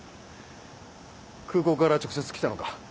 空港から直接来たのか？